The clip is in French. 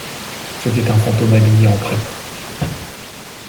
C’était un fantôme habillé en prêtre.